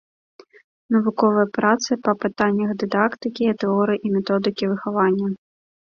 Навуковыя працы па пытаннях дыдактыкі, тэорыі і методыкі выхавання.